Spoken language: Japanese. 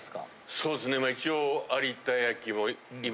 そうですね一応。